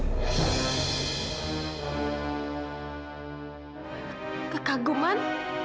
ketaufan sudah kaguman